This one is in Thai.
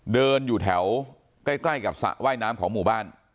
เดินอยู่แถวใกล้กับสระว่ายน้ำของหมู่บ้าน